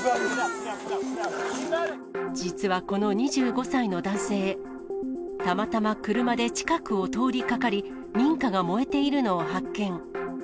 実はこの２５歳の男性、たまたま車で近くを通りかかり、民家が燃えているのを発見。